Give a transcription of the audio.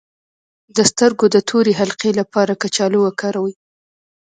د سترګو د تورې حلقې لپاره کچالو وکاروئ